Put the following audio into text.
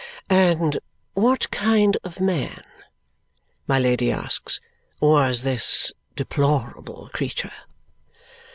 "And what kind of man," my Lady asks, "was this deplorable creature?"